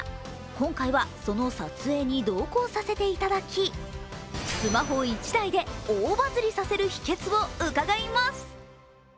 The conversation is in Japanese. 今回はその撮影に同行させていただき、スマホ１台で大バズりさせる秘けつを伺います。